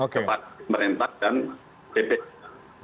kepada pemerintah dan dpr